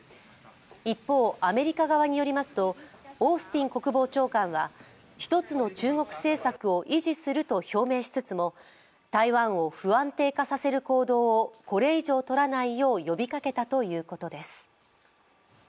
一方、アメリカ側によりますとオースティン国防長官は一つの中国政策を維持すると表明しつつも台湾を不安定化させる行動をこれ以上取らないよう呼びかけたということです。